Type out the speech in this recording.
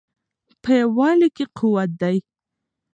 په یووالي کې قوت دی.